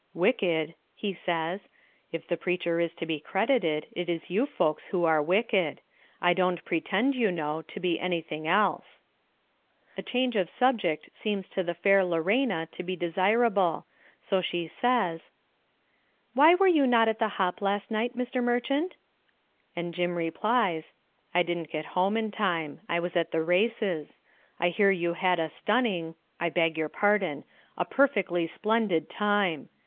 "Wicked," he says. "If the preacher is to be credited, it is you folks who are wicked. I don't pretend, you know, to be anything else." A change of subject seems to the fair Lorena to be desirable, so she says: "Why were you not at the hop last night, Mr. Merchant?" And Jim replies, "I didn't get home in time. I was at the races. I hear you had a stunning I beg your pardon a perfectly splendid time.